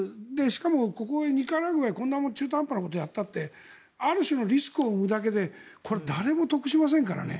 しかもここへ、ニカラグアが中途半端なことやったってある種のリスクを生むだけで誰も得しませんからね。